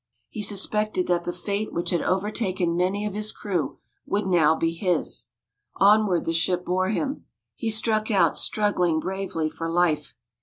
He suspected that the fate which had overtaken many of his crew would now be his. Onward the sea bore him. He struck out, struggling bravely for life.